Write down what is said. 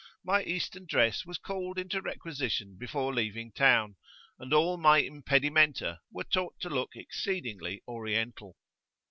my Eastern dress was called into requisition before leaving town, and all my "impedimenta" were taught to look exceedingly Oriental.